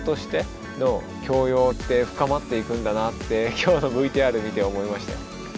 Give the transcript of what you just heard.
今日のＶＴＲ見て思いましたよ。